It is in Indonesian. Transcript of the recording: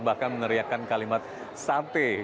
bahkan meneriakan kalimat sate